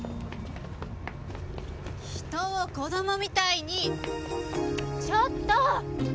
人を子供みたいにちょっと！？